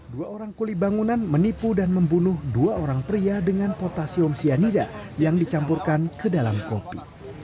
dua orang kuli bangunan menipu dan membunuh dua orang pria dengan potasium cyanida yang dicampurkan ke dalam kopi